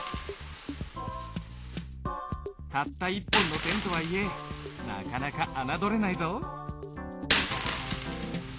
たった一本の線とはいえなかなか侮れないぞ。